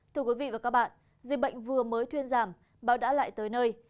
thưa quý vị và các bạn dịch bệnh vừa mới thuyên giảm bão đã lại tới nơi